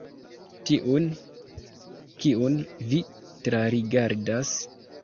Tiun kiun vi trarigardas.